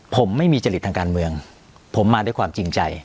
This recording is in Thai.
ผมไม่มีจริตทางการเมืองผมมาด้วยความจริงใจ